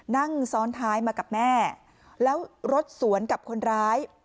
นั่งซ้อนท้ายมากับแม่แล้วรถสวนกับคนร้าย